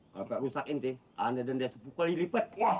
kalau rusakin teh anda dan dia sepukul ini lipet